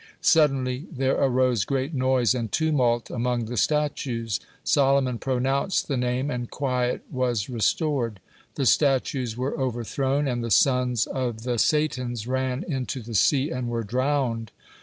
Suddenly there arose great noise and tumult among the statues. Solomon pronounced the Name, and quiet was restored. The statues were overthrown, and the sons of the satans ran into the sea and were drowned.